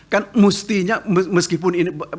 kan mestinya meskipun ini